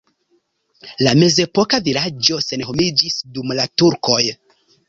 La mezepoka vilaĝo senhomiĝis dum la turkoj.